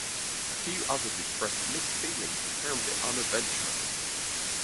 A few others expressed mixed feelings and found it unadventurous.